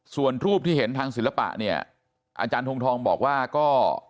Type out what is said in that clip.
ส่วนรูปที่เห็นทางศิลปะเนี่ยอาจารย์ทงทองบอกว่าก็